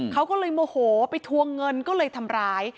เขาก็เลยโมโหไปทวงเงินก็เลยทำร้าย